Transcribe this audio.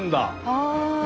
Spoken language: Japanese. ああ。